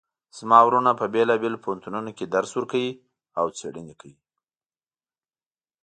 زما وروڼه په بیلابیلو پوهنتونونو کې درس ورکوي او څیړنې کوی